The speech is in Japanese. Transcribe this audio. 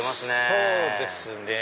そうですね。